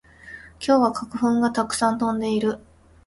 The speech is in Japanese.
今日は花粉がたくさん飛んでいる